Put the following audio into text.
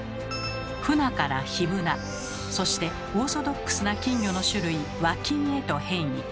フナからヒブナそしてオーソドックスな金魚の種類「和金」へと変異。